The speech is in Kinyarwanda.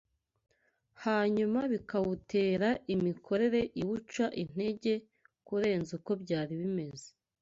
hanyuma bikawutera imikorere iwuca intege kurenza uko byari bimeze.